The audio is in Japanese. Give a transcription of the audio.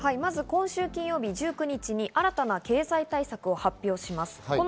今週金曜日１９日に新たな経済対策を発表します。